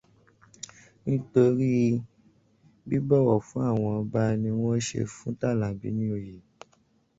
Nítorí bíbọ̀wọ̀ fún àwọn ọba ni wọ́n ṣe fún Tàlàbí ní oyè.